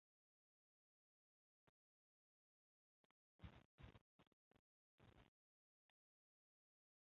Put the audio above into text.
德累斯顿圣母教堂是德国萨克森州首府德累斯顿的一座路德会教堂。